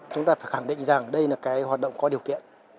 chúng ta phải khẳng định rằng đây là cái hoạt động có điều kiện